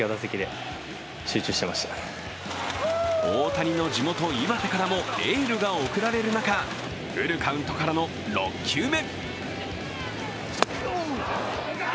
大谷の地元・岩手からもエールが送られる中、フルカウントからの６球目。